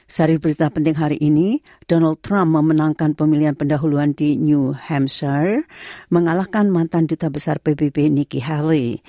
sari berita penting hari ini donald trump memenangkan pemilihan pendahuluan di new hamzer mengalahkan mantan duta besar pbb niki harley